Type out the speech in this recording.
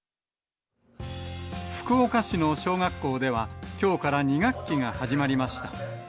福岡市の小学校ではきょうから２学期が始まりました。